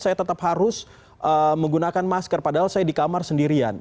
saya tetap harus menggunakan masker padahal saya di kamar sendirian